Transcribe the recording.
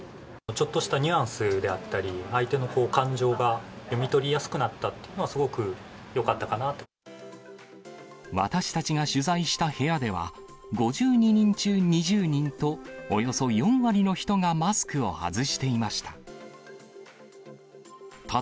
ちょっとしたニュアンスであったり、相手の感情が読み取りやすくなったっていうのが、すごく私たちが取材した部屋では、５２人中２０人と、およそ４割の人がマスクを外していました。